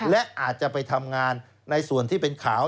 และอาจจะไปทำงานในส่วนที่เป็นข่าว